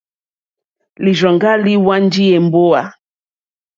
Lírzòŋgá líhwánjì èmbówà.